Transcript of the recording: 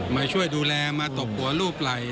มาช่วยดูแลมาตบปัวหลูปหลาย